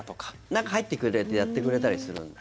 なんか入ってくれてやってくれたりするんだ。